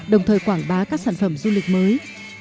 đồng thời quảng bá các sản phẩm du lịch mới